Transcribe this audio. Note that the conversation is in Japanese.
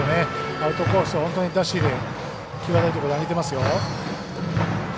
アウトコース、本当に出し入れ際どいところに上げてますよ。